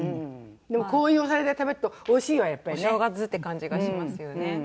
でもこういうお皿で食べるとおいしいわやっぱりね。お正月って感じがしますよね。